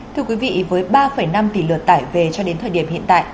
thưa quý vị với ba năm tỷ lượt tải về cho đến thời điểm hiện tại